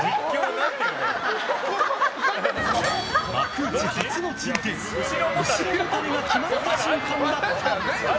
幕内初の珍手後ろもたれが決まった瞬間だった。